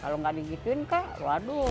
kalau nggak digituin kah waduh